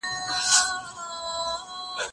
زه اوس مړۍ خورم!؟